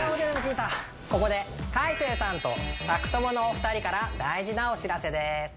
ここで海青さんと宅トモのお二人から大事なお知らせです